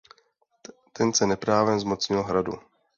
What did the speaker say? Ten se neprávem zmocnil hradu.